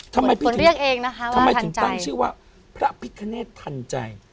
ทำไมฝนเรียกเองนะคะว่าทันใจทำไมถึงตั้งชื่อว่าพระพิฆเนตทันใจ